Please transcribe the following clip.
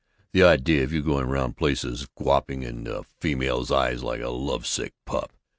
The idea of your going around places gawping into a female's eyes like a love sick pup!